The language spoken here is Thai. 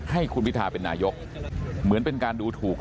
ให้คุณพิทาเป็นนายกเหมือนเป็นการดูถูก